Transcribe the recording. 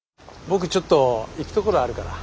僕ちょっと行くところあるから。